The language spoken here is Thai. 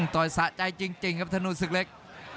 ต่อยสะใจจริงครับธนูศึกเล็ก